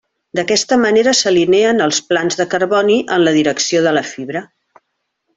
D'aquesta manera s'alineen els plans de carboni en la direcció de la fibra.